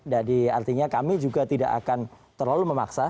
jadi artinya kami juga tidak akan terlalu memaksa